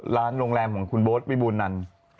ร้านโรงแรมของขุ้นโบ้สวิบุญนัน